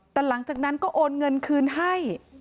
แต่หลังจากนั้นก็โอนเงินคืนให้